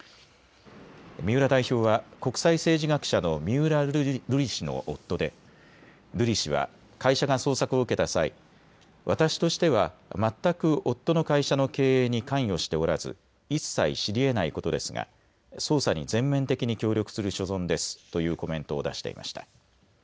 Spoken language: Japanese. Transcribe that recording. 三浦代表は国際政治学者の三浦瑠麗氏の夫で瑠麗氏は会社が捜索を受けた際、私としては全く夫の会社の経営に関与しておらず一切知りえないことですが捜査に全面的に協力する所存ですというコメントを出していました。